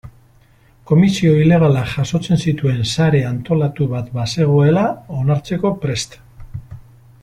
Komisio ilegalak jasotzen zituen sare antolatu bat bazegoela onartzeko prest.